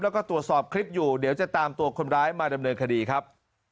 แล้วก็ตรวจสอบคลิปอยู่เดี๋ยวจะตามตัวคนร้ายมาดำเนินคดีครับ